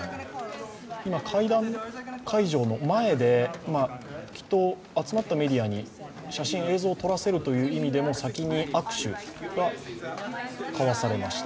今、会談会場の前できっと集まったメディアに写真、映像を撮らせるという意味でも先に握手が交わされました。